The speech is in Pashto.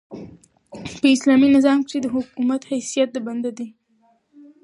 په اسلامي نظام کښي د حکومت حیثیت د بنده دئ.